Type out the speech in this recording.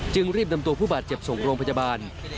รีบนำตัวผู้บาดเจ็บส่งโรงพยาบาล